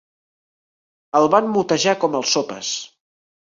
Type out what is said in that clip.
El van motejar com "el Sopes".